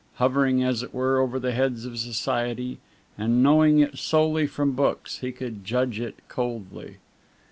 Hovering, as it were, over the heads of society, and knowing it solely from books, he could judge it coldly.